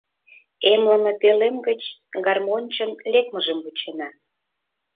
Эмлыме пӧлем гыч гармоньчын лекмыжым вучена.